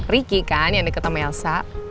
riki kan yang deket sama elsa